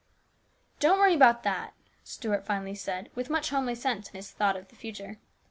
" Don't worry about that," Stuart finally said, with much homely sense in his thought of the future.